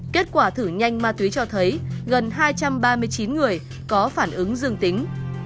kết quả thử nhanh ma túy cho thấy gần hai trăm ba mươi chín người có phản ứng dương tính